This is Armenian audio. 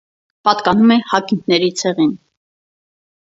Պատկանում է հակինթների ցեղին։